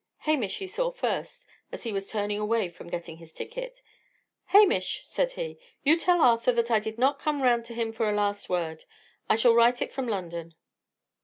Hamish he saw first, as he was turning away from getting his ticket. "Hamish," said he, "you'll tell Arthur that I did not come round to him for a last word; I shall write it from London."